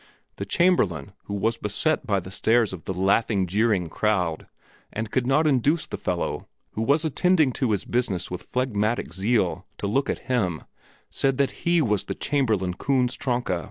The Chamberlain, who was beset by the stares of the laughing, jeering crowd and could not induce the fellow, who was attending to his business with phlegmatic zeal, to look at him, said that he was the Chamberlain Kunz Tronka.